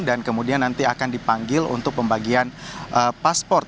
dan kemudian nanti akan dipanggil untuk pembagian pasport